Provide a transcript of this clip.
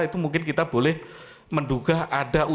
itu mungkin kita boleh menduga ada upaya